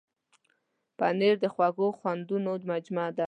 پنېر د خوږو خوندونو مجموعه ده.